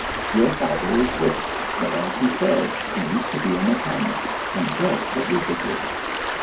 Your father is rich, but, as he says, he used to be a mechanic, and just a lubricator."